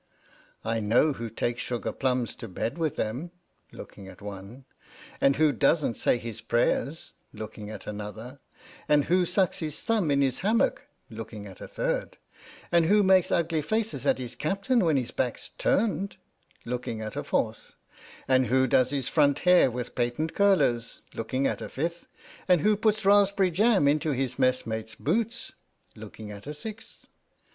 / know who takes sugar plums to bed with him " (looking at one), " and who doesn't say his prayers " (looking at another), "and who sucks his thumb in his hammock" (looking at the third), "and who makes ugly faces at his Captain when his back's turned" (looking at a fourth), "and who does his front hair with patent curlers" (looking at a fifth), "and who puts raspberry jam into his messmates' boots " (looking at a sixth).